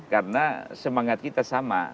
karena semangat kita sama